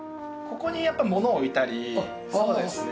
ここにやっぱり物置いたりそうですね。